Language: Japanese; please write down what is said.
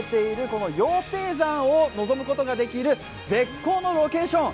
この羊蹄山を望むことができる絶好のロケーション。